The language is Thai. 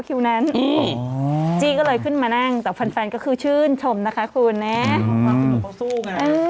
คิวนั้นจี้ก็เลยขึ้นมานั่งแต่แฟนก็คือชื่นชมนะคะคุณนะเขาสู้ไง